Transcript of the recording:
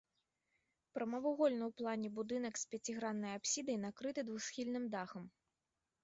Прамавугольны ў плане будынак з пяціграннай апсідай накрыты двухсхільным дахам.